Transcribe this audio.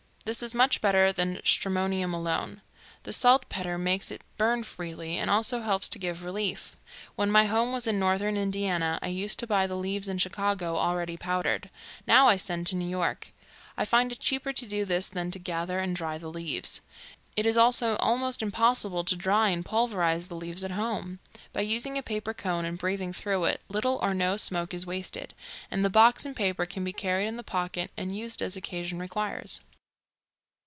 This is much better than stramonium alone. The saltpeter makes it burn freely, and also helps to give relief. When my home was in Northern Indiana, I used to buy the leaves in Chicago already powdered. Now I send to New York. I find it cheaper to do this than to gather and dry the leaves. It is also almost impossible to dry and pulverize the leaves at home. By using a paper cone and breathing through it, little or no smoke is wasted, and the box and paper can be carried in the pocket and used as occasion requires."